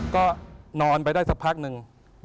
ก็นอนไปได้สักพักหนึ่ง